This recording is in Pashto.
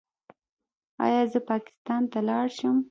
ایا زه پاکستان ته لاړ شم؟